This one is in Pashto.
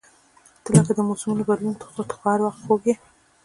• ته لکه د موسمونو بدلون، خو هر وخت خوږ یې.